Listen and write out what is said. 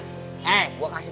tripas itu pun keren ini